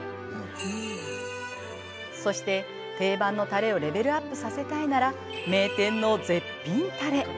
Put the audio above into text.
そして、定番のたれをレベルアップさせたいなら名店の絶品たれ。